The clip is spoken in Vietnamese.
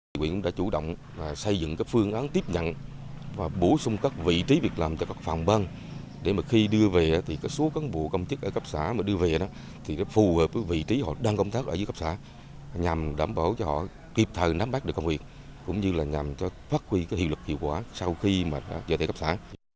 hội quyền đã chủ động xây dựng phương án tiếp nhận và bổ sung các vị trí việc làm cho các phòng bơn để khi đưa về thì số cán bộ công chức ở cấp xã mà đưa về thì phù hợp với vị trí họ đang công tác ở dưới cấp xã nhằm đảm bảo cho họ kịp thời nắm bắt được công việc cũng như là nhằm phát huy hiệu quả sau khi trở thành cấp xã